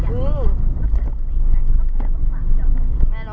วิดลวยสาธุ